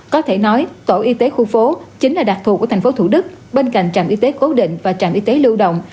có thể nói tổ y tế khu phố chính là đặc thù của thành phố thủ đức bên cạnh trạm y tế cố định và trạm y tế lưu động